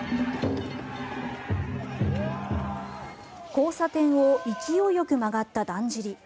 交差点を勢いよく曲がっただんじり。